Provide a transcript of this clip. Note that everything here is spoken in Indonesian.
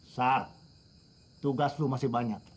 sar tugas lu masih banyak